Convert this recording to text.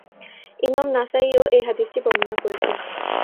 ইমাম নাসাঈও এ হাদীসটি বর্ণনা করেছেন।